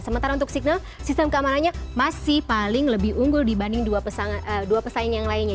sementara untuk signal sistem keamanannya masih paling lebih unggul dibanding dua pesaing yang lainnya